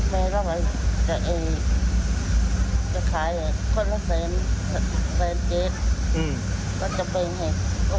มันเรื่องโปรคิโมเเบอร์ประไทย